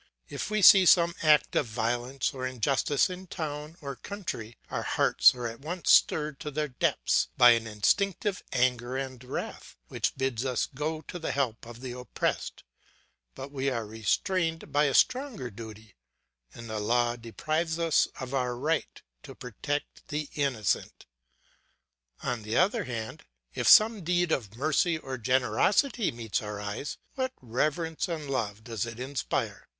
If we see some act of violence or injustice in town or country, our hearts are at once stirred to their depths by an instinctive anger and wrath, which bids us go to the help of the oppressed; but we are restrained by a stronger duty, and the law deprives us of our right to protect the innocent. On the other hand, if some deed of mercy or generosity meets our eye, what reverence and love does it inspire!